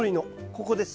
ここです。